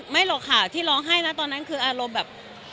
หรอกค่ะที่ร้องไห้นะตอนนั้นคืออารมณ์แบบ